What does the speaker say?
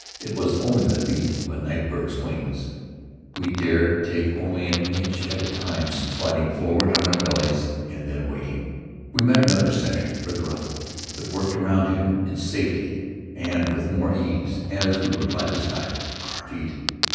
It was only the beat of a night bird's wings. We dared take only an inch at a time, sliding forward on our bellies and then waiting. We met another sentry farther up, but worked around him in safety and with more of ease, as we were by this time on our feet.